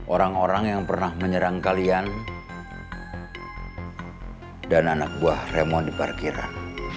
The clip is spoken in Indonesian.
orang orang yang pernah menyerang kalian dan anak buah remoni parkiran